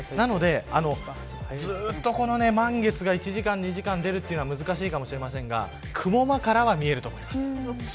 ずっと満月が１時間、２時間出るというのは難しいかもしれませんが雲間からは見れると思います。